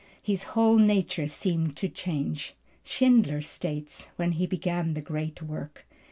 His whole nature seemed to change, Schindler states, when he began the great work.